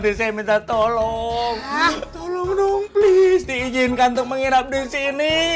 saya minta tolong tolong dong please diizinkan untuk menginep disini